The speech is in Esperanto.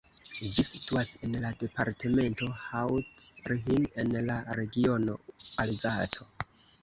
Ĝi situas en la departemento Haut-Rhin en la regiono Alzaco.